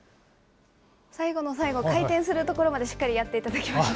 最後の最後、回転するところまでしっかりやっていただけまし